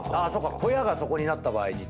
小屋がそこになった場合に。